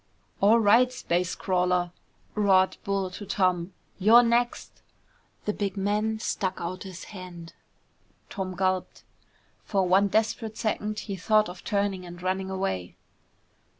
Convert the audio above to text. "All right, space crawler," roared Bull to Tom, "you're next!" The big man stuck out his hand. Tom gulped. For one desperate second he thought of turning and running away.